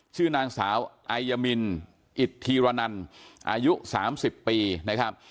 ชื่อนางสาวไอยามินอิทธีรนันอายุ๓๐ปีนะครับ